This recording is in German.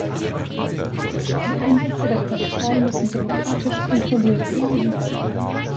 Die Einsätze der Polizei müssen demokratisch kontrolliert bleiben.